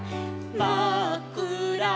「まっくら